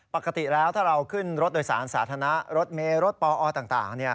ปกติแล้วถ้าเราขึ้นรถโดยสารสาธารณะรถเมย์รถปอต่าง